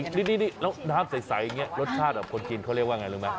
นี่น้ำใสรสชาติคนกินเขาเรียกว่าอย่างไรรึไหม